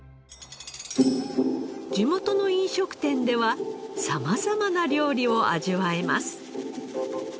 地元の飲食店では様々な料理を味わえます。